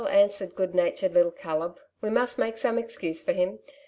'^ answered good natured little Caleb. ^' We must make some excuse for him.